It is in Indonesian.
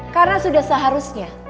karena sudah seharusnya